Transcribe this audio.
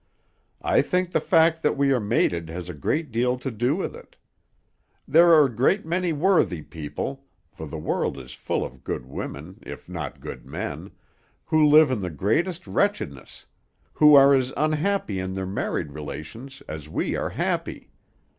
"I think the fact that we are mated has a great deal to do with it. There are a great many worthy people for the world is full of good women, if not of good men who live in the greatest wretchedness; who are as unhappy in their married relations as we are happy.